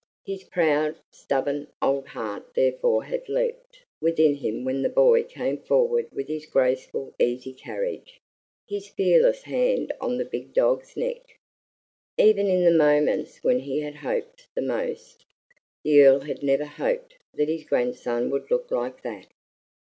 His proud, stubborn old heart therefore had leaped within him when the boy came forward with his graceful, easy carriage, his fearless hand on the big dog's neck. Even in the moments when he had hoped the most, the Earl had never hoped that his grandson would look like that.